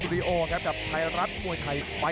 อื้อหือจังหวะขวางแล้วพยายามจะเล่นงานด้วยซอกแต่วงใน